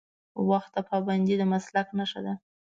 وخت ته پابندي د مسلک نښه ده.